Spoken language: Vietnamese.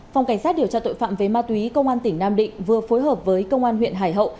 phòng cảnh sát điều tra tội phạm về ma túy công an tỉnh nam định vừa phối hợp với công an huyện hải hậu